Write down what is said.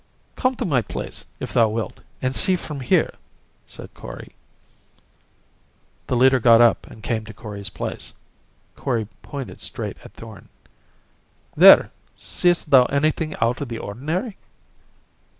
"Come to my place, if thou wilt, and see from here," said Kori. The leader got up and came to Kori's place. Kori pointed straight at Thorn. "There seest thou anything out of the ordinary?"